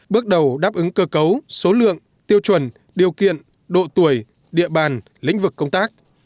bước đầu đáp ứng cơ cấu số lượng tiêu chuẩn điều kiện độ tuổi địa bàn lĩnh vực công tác